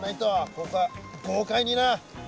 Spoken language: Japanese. ここは豪快にな！